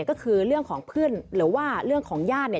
ก็คือเรื่องของเพื่อนหรือว่าเรื่องของญาติเนี่ย